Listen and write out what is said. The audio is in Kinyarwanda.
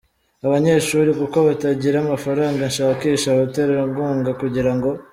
abanyeshuri, kuko batagira amafaranga nshakisha abaterankunga kugira ngo.